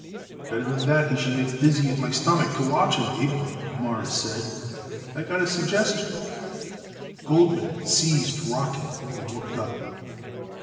"Better than that he should make me dizzy at my stomach to watch him, Abe," Morris said. "I got a suggestion." Goldman ceased rocking and looked up.